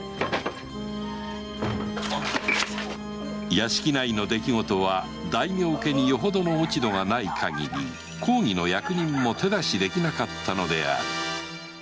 屋敷内の出来事は大名家によほどの落ち度がない限り公儀の役人も手出しできなかったのである